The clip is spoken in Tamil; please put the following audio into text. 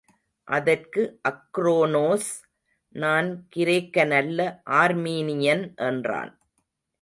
அதற்கு அக்ரோனோஸ், நான் கிரேக்கனல்ல ஆர்மீனியன் என்றான்.